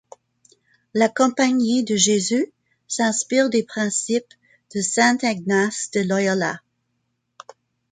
La Compagnie de Jésus s'inspire des principes de saint Ignace de Loyola.